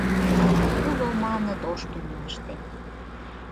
«Уло, маныт, ош тӱняште